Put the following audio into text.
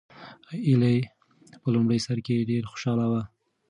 ایلي په لومړي سر کې ډېره خوشحاله وه.